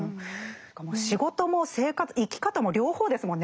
仕事も生き方も両方ですもんね。